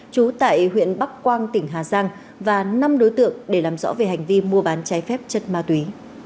trú tại huyện bắc quang tỉnh hà giang và năm đối tượng để làm rõ về hành vi mua bán trái phép chất ma túy